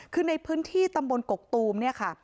คือในพื้นที่ตำบลกกตูมเนี่ยค่ะ